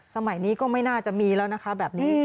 สมัยนี้ก็ไม่น่าจะมีแล้วนะคะแบบนี้